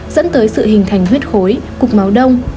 dẫn tới sự hình thành huyết khối cục máu đông